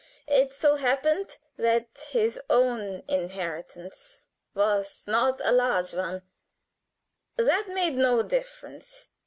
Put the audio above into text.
It so happened that his own inheritance was not a large one; that made no difference.